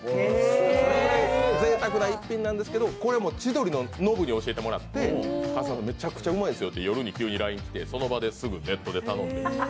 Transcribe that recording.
それぐらいぜいたくな１品なんですけどこれは千鳥のノブに教えてもらってめちゃくちゃうまいですよって夜に急にＬＩＮＥが来てその場ですぐにネットで頼んで。